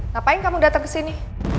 ngapain kamu datang kesini